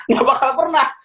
gak bakal pernah